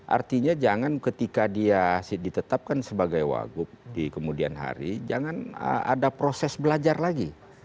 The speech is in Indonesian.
artinya jangan ketika dia ditetapkan sebagai wagub di kemudian hari jangan ada proses belajar lagi